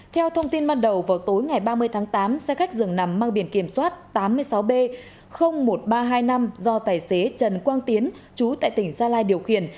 theo thông tin ban đầu vào tối ngày ba mươi tháng tám xe khách dường nằm mang biển kiểm soát tám mươi sáu b một nghìn ba trăm hai mươi năm do tài xế trần quang tiến chú tại tỉnh gia lai điều khiển